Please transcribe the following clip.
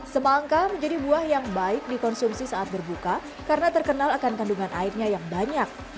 semangka menjadi buah yang baik dikonsumsi saat berbuka karena terkenal akan kandungan airnya yang banyak